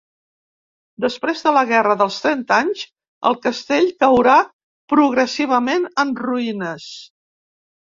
Després de la guerra dels Trenta Anys el castell caurà progressivament en ruïnes.